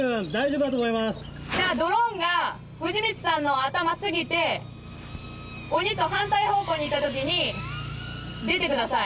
じゃあドローンが藤光さんの頭過ぎて鬼と反対方向にいった時に出てください